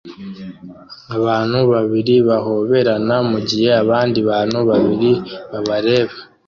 Abantu babiri bahoberana mugihe abandi bantu babiri babareba